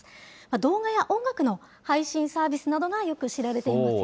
動画や音楽の配信サービスなどがよく知られていますよね。